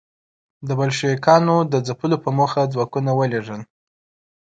د بلشویکانو د ځپلو په موخه ځواکونه ولېږل.